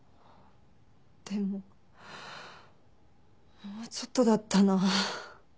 でももうちょっとだったなあ。